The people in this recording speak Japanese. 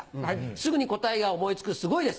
すぐに答えが思いつくすごいです。